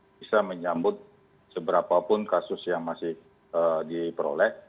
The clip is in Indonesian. kalau kita bisa menyambut seberapapun kasus yang masih diperoleh